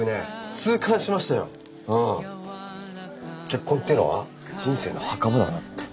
結婚っていうのは人生の墓場だなって。